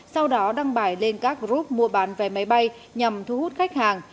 sau đó đăng bài lên các group mua bán vé máy bay nhằm thu hút khách hàng